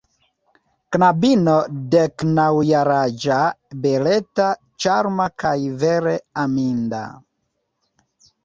Knabino deknaŭjaraĝa, beleta, ĉarma kaj vere aminda.